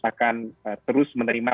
akan terus menerima